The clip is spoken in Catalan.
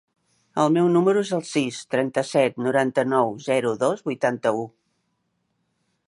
El meu número es el sis, trenta-set, noranta-nou, zero, dos, vuitanta-u.